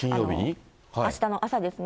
あしたの朝ですね。